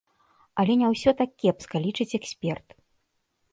Але не ўсё так кепска, лічыць эксперт.